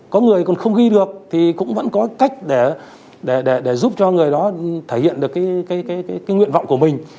có người còn không ghi được thì cũng vẫn có cách để giúp cho người đó thể hiện được cái nguyện vọng của mình